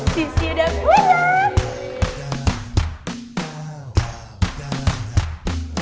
sisi udah pulang